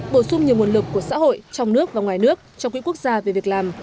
bổ sung nhiều nguồn lực của xã hội trong nước và ngoài nước cho quỹ quốc gia về việc làm